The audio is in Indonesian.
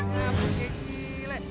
nggak ngebuke gile